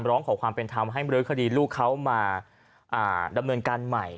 ร้องขอความเป็นธรรมให้มรื้อคดีลูกเขามาดำเนินการใหม่